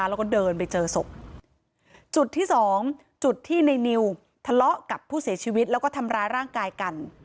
แล้วก็เดินไปเจอศพจุดที่สองจุดที่ในนิวทะเลาะกับผู้เสียชีวิตแล้วก็ทำร้ายร่างกายกัน